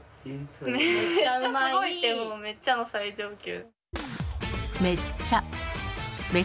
めっちゃの最上級。